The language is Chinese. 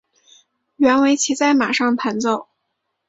原为骑在马上弹奏。